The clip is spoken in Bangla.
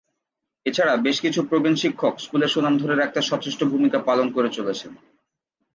এছাড়া বেশ কিছু প্রবীণ শিক্ষক স্কুলের সুনাম ধরে রাখতে সচেষ্ট ভূমিকা পালন করে চলেছেন।